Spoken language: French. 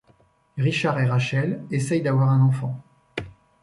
Richard et Rachel essayent d'avoir un enfant.